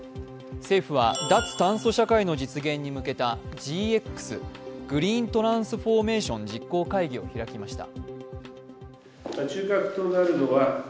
政府は脱炭素社会の実現に向けたＧＸ＝グリーントランスフォーメーション会議を開きました。